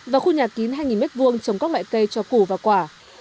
và khu nhà kín hai m hai trồng các loại cây cho củ và quả